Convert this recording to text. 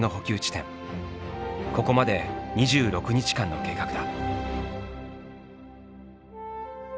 ここまで２６日間の計画だ。